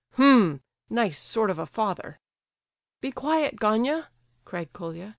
H'm—nice sort of a father." "Be quiet, Gania," cried Colia.